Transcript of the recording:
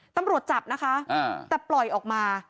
ตำรวจจับนะคะแต่ปล่อยออกมา